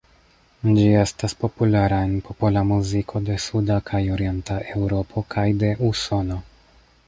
Ĝi estas populara en popola muziko de suda kaj orienta Eŭropo kaj de Usono.